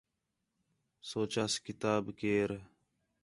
سوچاس کتاب کئر